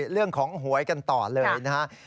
เรื่องของหวยกันต่อเลยนะครับ